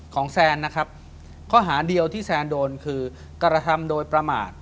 แซนนะครับข้อหาเดียวที่แซนโดนคือกระทำโดยประมาท